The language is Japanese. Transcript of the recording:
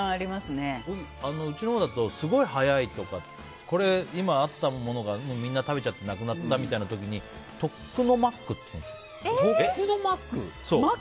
うちのほうだとすごい早いことをこれ、今あったものがみんな食べちゃってなくなった時にとっくのまっくって言うんです。